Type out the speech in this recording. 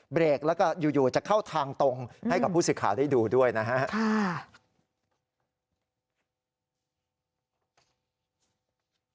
เบรกแล้วก็อยู่จะเข้าทางตรงให้กับผู้สื่อข่าวได้ดูด้วยนะครับ